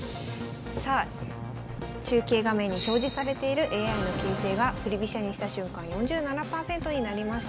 さあ中継画面に表示されているＡＩの形勢は振り飛車にした瞬間４７％になりました。